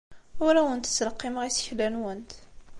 Ur awent-ttleqqimeɣ isekla-nwent.